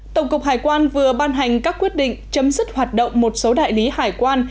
tổng cục hải quan vừa ban hành các quyết định chấm dứt hoạt động một số đại lý hải quan